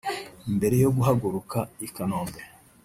Mbere yo guhaguruka i Kanombe